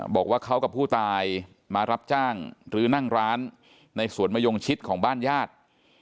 บอกว่าเขากับผู้ตายมารับจ้างหรือนั่งร้านในสวนมะยงชิดของบ้านญาติ